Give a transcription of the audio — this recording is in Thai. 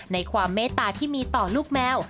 ในความเมตตาที่มีต่อลูกแมว